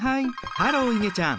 ハローいげちゃん。